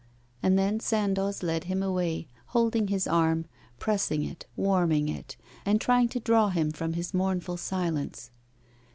And then Sandoz led him away, holding his arm, pressing it, warming it, and trying to draw him from his mournful silence.